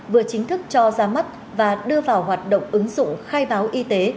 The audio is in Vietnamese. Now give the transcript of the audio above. vừa chính thức cho ra mắt và đưa vào hoạt động ứng dụng khai báo y tế